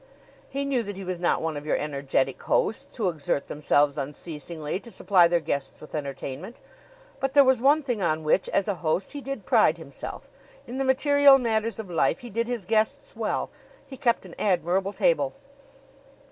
He knew that he was not one of your energetic hosts who exert themselves unceasingly to supply their guests with entertainment; but there was one thing on which, as a host, he did pride himself in the material matters of life he did his guests well; he kept an admirable table.